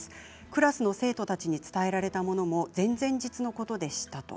クラスの生徒たちに伝えられたのも前々日のことでした。